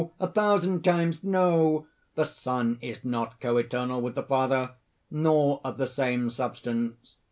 a thousand times no! the Son is not coeternal with the Father, nor of the same substance!